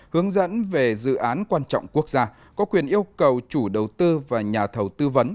hướng dẫn về dự án quan trọng quốc gia có quyền yêu cầu chủ đầu tư và nhà thầu tư vấn